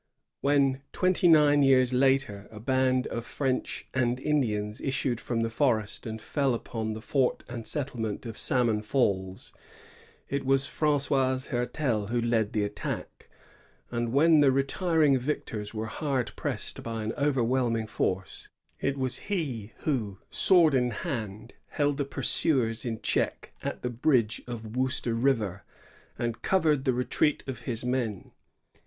When, twenty nine years later, a band of French and Indians issued from the forest and fell upon the fort and settlement of Salmon Falls, it was Francois Hertel who led the attack; and when the retiring victors were hard pressed by an overwhelming force, it was he who, sword in hand, held the pursuers in check at the bridge of Wooster River, and covered the retreat of his men.